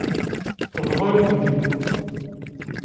Tebḍa-yi-tent-id.